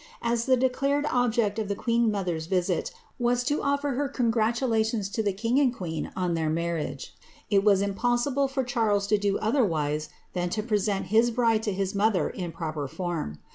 As the declared ob ject of the queen mother's visit was to ofTer her congratulations to the king and queen on their marriage, it was impossible for Charles to do otherwbe than to present his bride to his mother in proper form.